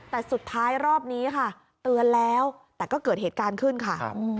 แต่สุดท้ายรอบนี้ค่ะเตือนแล้วแต่ก็เกิดเหตุการณ์ขึ้นค่ะ